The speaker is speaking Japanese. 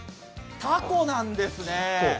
たこなんですね。